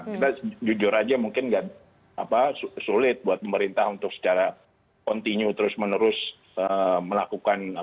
kita jujur aja mungkin sulit buat pemerintah untuk secara kontinu terus menerus melakukan